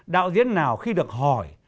đạo diễn nào khi được hỏi